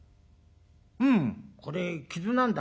「うん。これ傷なんだ」。